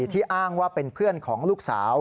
ที่อ้างว่าเป็นเพื่อนของลูกสาว